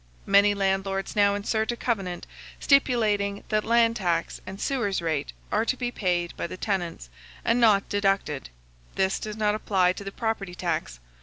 Many landlords now insert a covenant, stipulating that land tax and sewers rate are to be paid by the tenants, and not deducted: this does not apply to the property tax.